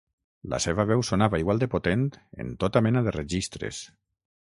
La seva veu sonava igual de potent en tota mena de registres.